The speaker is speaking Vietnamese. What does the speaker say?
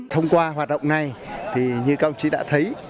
thông qua hoạt động này như các ông chỉ đã thấy